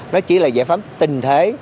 nó chỉ là giải pháp tình thế